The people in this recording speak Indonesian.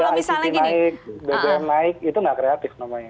harga iya harga ict naik bbm naik itu nggak kreatif namanya